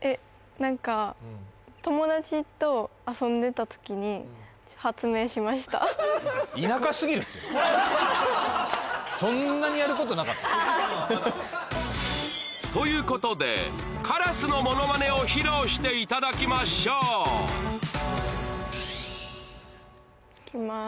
えっ何かそんなにやることなかった？ということでカラスのものまねを披露していただきましょういきます